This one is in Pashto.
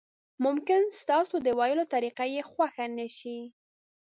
ممکن ستاسو د ویلو طریقه یې خوښه نشي.